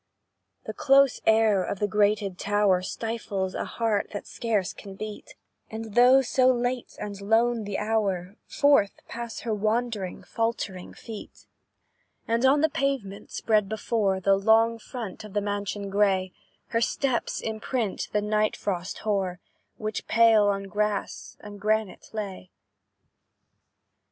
The close air of the grated tower Stifles a heart that scarce can beat, And, though so late and lone the hour, Forth pass her wandering, faltering feet; And on the pavement spread before The long front of the mansion grey, Her steps imprint the night frost hoar, Which pale on grass and granite lay.